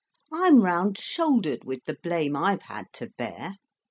I'm round shouldered with the blame I've had to bear.